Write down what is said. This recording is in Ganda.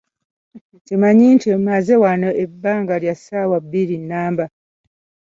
Kimanye nti mmaze wano ebbanga lya ssaawa bbiri nnamba.